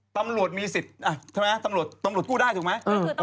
ตำรวจมีสิทธิ์ใช่ไหมตำรวจกู้ได้ถูกไหม